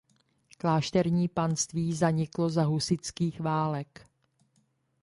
Klášterní panství zaniklo za husitských válek.